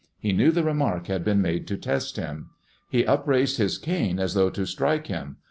He knew the remark had been made to test him. He upraised his cane as though to strike him.